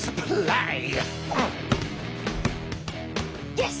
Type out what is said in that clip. よし！